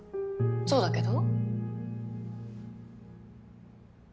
そうだけど？